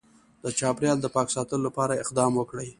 د چاپیریال د پاک ساتلو لپاره اقدام وکړي